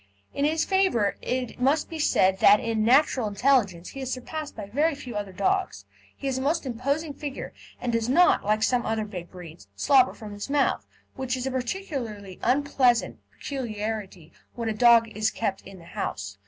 In his favour it must be said that in natural intelligence he is surpassed by very few other dogs. He has a most imposing figure, and does not, like some other big breeds, slobber from his mouth, which is a particularly unpleasant peculiarity when a dog is kept in the house.